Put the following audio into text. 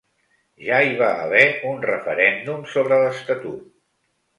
Ja hi va haver un referèndum sobre l’estatut.